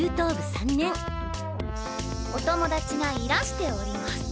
３年お友達がいらしております。